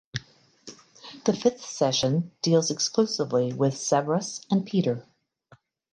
The fifth session deals exclusively with Severus and Peter.